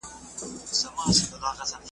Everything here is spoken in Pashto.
په نارو به یې خبر سمه او غر سو ,